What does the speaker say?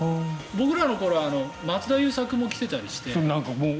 僕らの頃は松田優作も着てたりして。